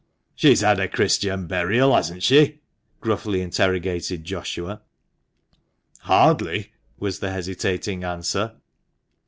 "She's had Christian burial, hasn't she?" gruffly interrogated Joshua. "Hardly," was the hesitating answer.